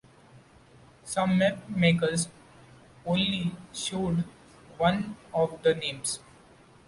Some map makers only showed one of the names.